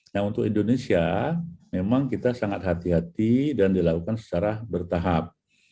nah untuk indonesia memang kita sangat hati hati dan dilakukan secara bertahap